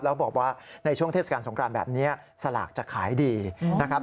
แล้วบอกว่าในช่วงเทศกาลสงครานแบบนี้สลากจะขายดีนะครับ